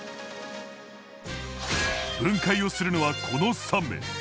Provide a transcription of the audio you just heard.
分解をするのはこの３名。